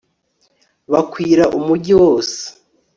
bakwira umugi wose